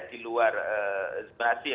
di luar zonasi ya